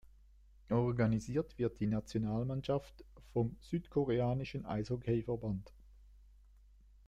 Organisiert wird die Nationalmannschaft vom Südkoreanischen Eishockeyverband.